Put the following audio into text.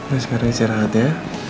nah sekarang istirahat ya